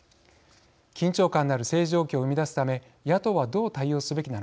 緊張感のある政治状況を生み出すため野党はどう対応すべきなのか。